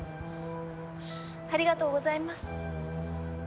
ありがとうございます。